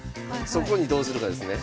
そこにどうするかですね？